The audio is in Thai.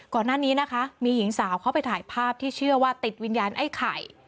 ก่อนหน้านี้นะคะมีหญิงสาวเขาไปถ่ายภาพที่เชื่อว่าติดวิญญาณไอ้ไข่